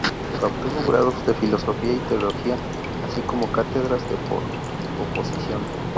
Obtuvo grados de filosofía y teología, así como cátedras por oposición.